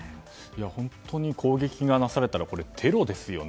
本当に攻撃がなされたらこれ、もうテロですよね。